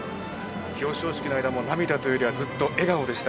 表彰式の間も、涙というよりは、ずっと笑顔でした。